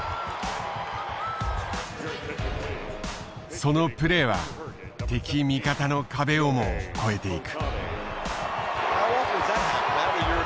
そのプレーは敵味方の壁をも超えていく。